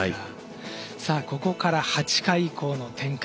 さあここから８回以降の展開。